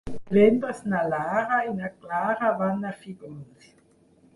Divendres na Lara i na Clara van a Fígols.